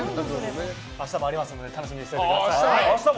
明日もありますので楽しみにしていてください。